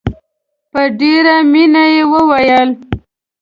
په ډېره مینه یې وویل.